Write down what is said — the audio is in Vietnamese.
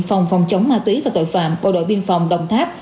phòng phòng chống ma túy và tội phạm bộ đội biên phòng đồng tháp